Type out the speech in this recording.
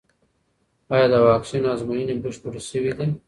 ایا د واکسین ازموینې بشپړې شوې دي؟